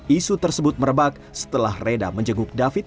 isu tersebut merebak setelah reda menjenguk david